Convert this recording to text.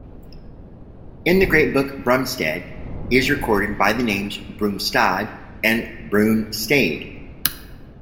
In the great book Brumstead is recorded by the names "Brumestade", and "Brunestade".